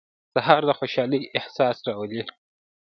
سهار د خوشحالۍ احساس راولي.